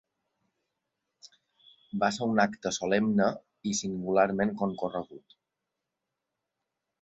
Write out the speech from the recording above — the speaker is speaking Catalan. Va ser un acte solemne i singularment concorregut.